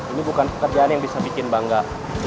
ini bukan pekerjaan yang bisa bikin bangga